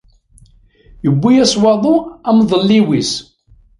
Yewwi-yas waḍu amḍelliw-is.